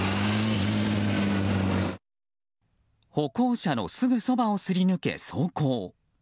歩行者のすぐそばをすり抜け、走行。